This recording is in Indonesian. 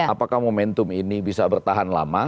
apakah momentum ini bisa bertahan lama